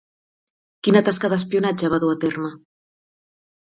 Quina tasca d'espionatge va dur a terme?